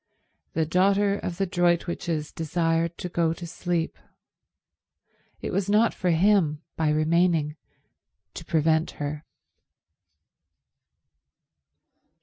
The daughter of the Droitwiches desired to go to sleep. It was not for him, by remaining, to prevent her.